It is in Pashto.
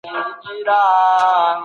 د نبي علیه السلام امر ته غاړه کیږدئ.